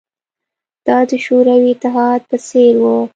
دا د شوروي اتحاد په څېر وه